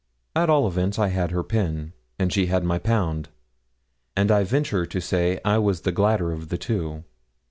At all events I had her pin, and she my pound, and I venture to say I was the gladder of the two.